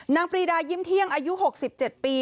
ปรีดายิ้มเที่ยงอายุ๖๗ปี